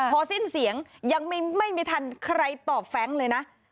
พอสิ้นเสียงยังไม่มีทันใครตอบแฟรงค์เลยนะ